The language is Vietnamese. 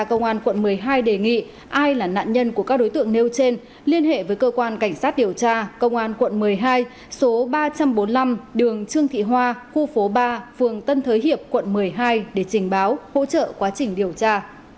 công an quận một mươi hai đề nghị ai là nạn nhân của các đối tượng nêu trên liên hệ với cơ quan cảnh sát điều tra công an quận một mươi hai số ba trăm bốn mươi năm đường trương thị hoa khu phố ba phường tân thới hiệp quận một mươi hai để trình báo hỗ trợ quá trình điều tra